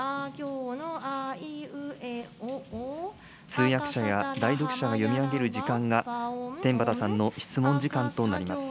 通訳者や代読者が読み上げる時間が、天畠さんの質問時間となります。